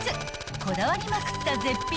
［こだわりまくった絶品のずんだ